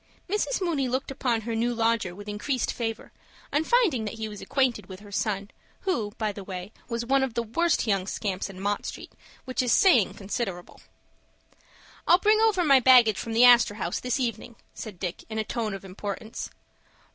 Mrs. Mooney looked upon her new lodger with increased favor, on finding that he was acquainted with her son, who, by the way, was one of the worst young scamps in Mott Street, which is saying considerable. "I'll bring over my baggage from the Astor House this evening," said Dick in a tone of importance.